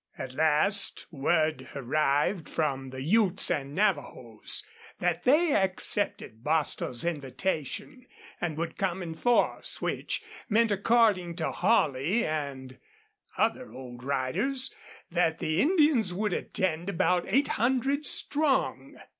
At last word arrived from the Utes and Navajos that they accepted Bostil's invitation and would come in force, which meant, according to Holley and other old riders, that the Indians would attend about eight hundred strong.